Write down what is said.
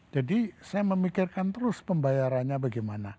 jadi saya memikirkan terus pembayarannya bagaimana